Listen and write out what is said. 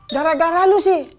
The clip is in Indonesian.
gara gara lu sih